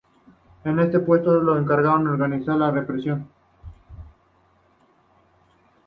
En este puesto se encargó de organizar la represión.